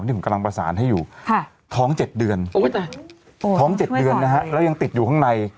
ที่ผมกำลังประสานให้อยู่ท้อง๗เดือนท้อง๗เดือนนะฮะแล้วยังติดอยู่ข้างใน